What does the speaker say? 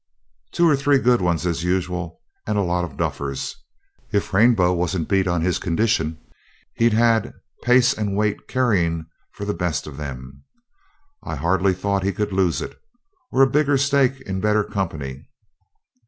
Two or three good ones, as usual, and a lot of duffers. If Rainbow wasn't beat on his condition, he had pace and weight carrying for the best of them. I hardly thought he could lose it, or a bigger stake in better company.